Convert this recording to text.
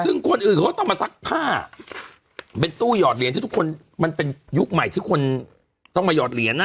ซึ่งคนอื่นเขาก็ต้องมาซักผ้าเป็นตู้หยอดเหรียญที่ทุกคนมันเป็นยุคใหม่ที่คนต้องมาหอดเหรียญนะ